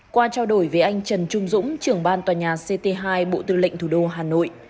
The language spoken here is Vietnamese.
qua trao đổi với anh trần trung dũng trưởng ban tòa nhà ct hai bộ tư lệnh thủ đô hà nội